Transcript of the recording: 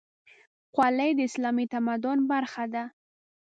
خولۍ د اسلامي تمدن برخه ده.